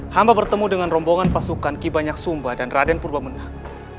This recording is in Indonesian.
hamba bertemu dengan rombongan pasukan ki banyak sumba dan raden purwamunak